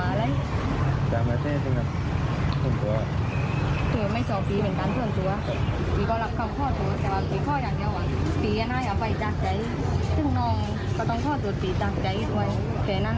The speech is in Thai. อะไรข้ออย่างเดียวเดียวน้องก็ต้องมองโจทย์จุดศรีจากใจเจ๊น